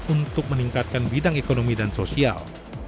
untuk meningkatkan bidang ekonomi dan sosial